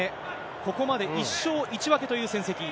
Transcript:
ここまで１勝１分けという戦績。